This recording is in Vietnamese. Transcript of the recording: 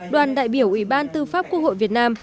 đoàn đại biểu ủy ban tư pháp quốc hội việt nam